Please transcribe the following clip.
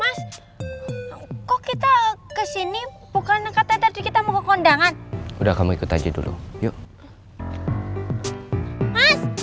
mas kok kita kesini bukan katanya tadi kita mau ke kondangan udah kamu ikut aja dulu yuk mas